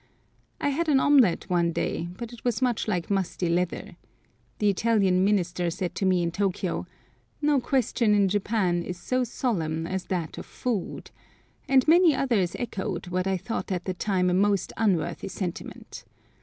I had an omelette one day, but it was much like musty leather. The Italian minister said to me in Tôkiyô, "No question in Japan is so solemn as that of food," and many others echoed what I thought at the time a most unworthy sentiment.